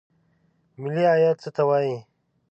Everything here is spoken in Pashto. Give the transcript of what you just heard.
ملي عاید څه ته وایي؟